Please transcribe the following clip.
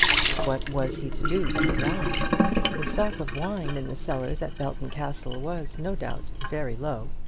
What was he to do for wine? The stock of wine in the cellars at Belton Castle was, no doubt, very low.